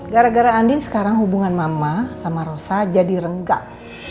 gara gara andin sekarang hubungan mama sama rosa jadi renggang